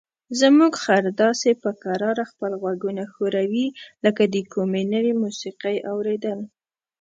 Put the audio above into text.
زموږ خر داسې په کراره خپل غوږونه ښوروي لکه د کومې نوې موسیقۍ اوریدل.